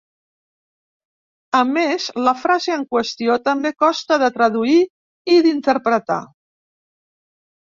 A més, la frase en qüestió també costa de traduir i d'interpretar.